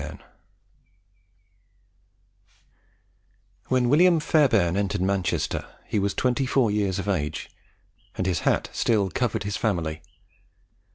When William Fairbairn entered Manchester he was twenty four years of age; and his hat still "covered his family."